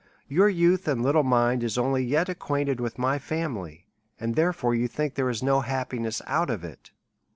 Your youth and little mind is only yet acquainted with my family, and therefore, you think there is no happiness out of it.